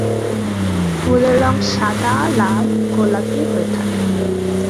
ফুলের রং সাদা, লাল, গোলাপী হয়ে থাকে।